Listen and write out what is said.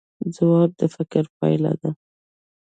ځواب د فکر پایله ده